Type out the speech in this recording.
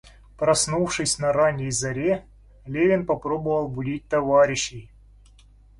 Проснувшись на ранней заре, Левин попробовал будить товарищей.